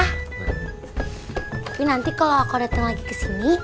tapi nanti kalo aku dateng lagi kesini